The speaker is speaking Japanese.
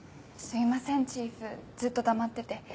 すいませんチーフずっと黙ってて。